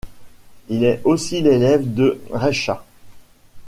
Il est aussi l'élève de Reicha.